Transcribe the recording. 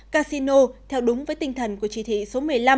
casino theo đúng với tinh thần của chỉ thị số một mươi năm